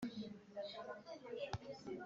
ugorwa n'ubusa arara ahaze